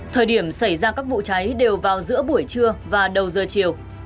thời điểm xảy ra các vụ cháy đều vào giữa buổi trưa và đầu giờ chiều